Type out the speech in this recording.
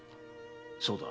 そうだ。